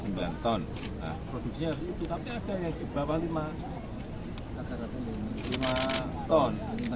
nah produksinya harus itu tapi ada yang di bawah lima ton